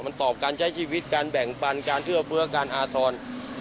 มันตอบการใช้ชีวิตการแบ่งปันการเอื้อเฟื้อการอาทร